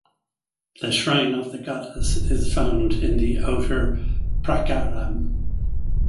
The shrine of the Goddess is found in the outer prakaram.